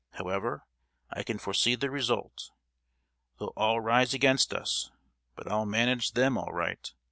However, I can foresee the result. They'll all rise against us; but I'll manage them all right!